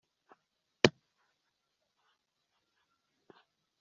yabibye intekerezo z’ubuhakanyi kandi ziyobya